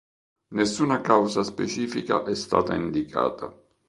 Nessuna causa specifica è stata indicata.